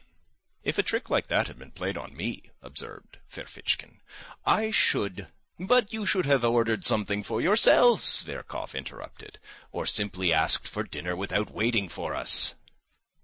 "If a trick like that had been played on me," observed Ferfitchkin, "I should ..." "But you should have ordered something for yourself," Zverkov interrupted, "or simply asked for dinner without waiting for us."